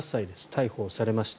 逮捕されました。